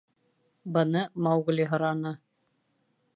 — Быны Маугли һораны.